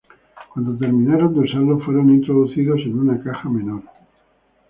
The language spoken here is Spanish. Cuando terminaron de usarlos, fueron introducidos en una caja menor.